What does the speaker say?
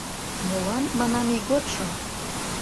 Молан, манам, ийготшо?